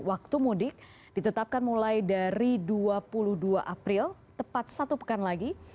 waktu mudik ditetapkan mulai dari dua puluh dua april tepat satu pekan lagi